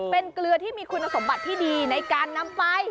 เป็นเกลือที่มีคุณสมบัติที่ดีในการนำไป